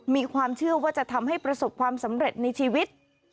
มีความเชื่อว่าจะทำให้ประสบความสำเร็จในชีวิต